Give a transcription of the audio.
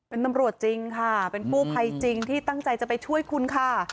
เป็นตำรวจจริงค่ะเป็นกู้ภัยจริงที่ตั้งใจจะไปช่วยคุณค่ะ